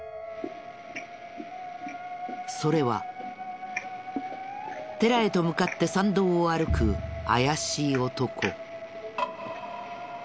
それは寺へと向かって参道を歩く怪しい男。